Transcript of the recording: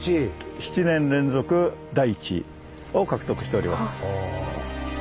７年連続第１位を獲得しております。